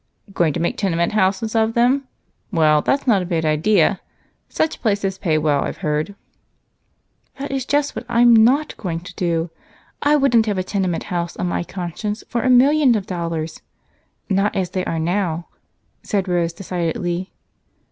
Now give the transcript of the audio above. "Going to make tenement houses of them? Well, that's not a bad idea such places pay well, I've heard." "That is just what I'm not going to do. I wouldn't have a tenement house on my conscience for a million dollars not as they are now," said Rose decidedly.